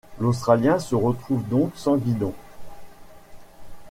L'australien se retrouve donc sans guidon.